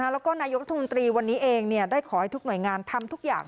แล้วก็นายกรัฐมนตรีวันนี้เองได้ขอให้ทุกหน่วยงานทำทุกอย่าง